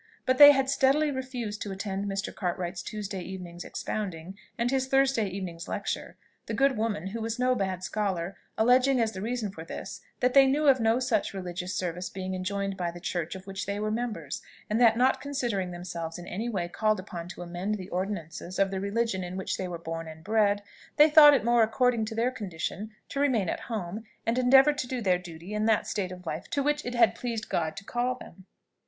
But they had steadily refused to attend Mr. Cartwright's Tuesday evening's expounding, and his Thursday evening's lecture; the good woman, who was no bad scholar, alleging as the reason for this, that they knew of no such religious service being enjoined by the church of which they were members, and that not considering themselves in any way called upon to amend the ordinances of the religion in which they were born and bred, they thought it more according to their condition to remain at home and endeavour to do their duty in that state of life to which it had pleased God to call them.